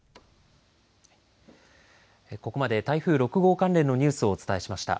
ここまで台風６号関連のニュースをお伝えしました。